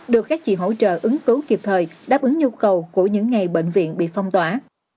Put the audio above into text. được các chị hỗ trợ ứng cứu kịp thời đáp ứng nhu cầu của những ngày bệnh viện bị phong tỏa